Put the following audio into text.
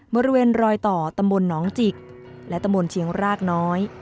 บริเวณรอยต่อตำบลหนองจิกและตำบลเชียงรากน้อย